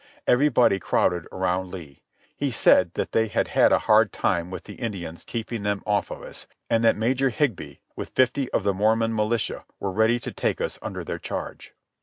Everybody crowded around Lee. He said that they had had a hard time with the Indians keeping them off of us, and that Major Higbee, with fifty of the Mormon militia, were ready to take us under their charge.